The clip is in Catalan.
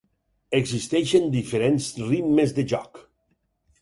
Existeixen diferents ritmes de joc.